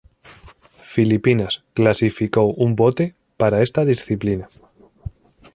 Filipinas clasificó un bote para esta disciplina.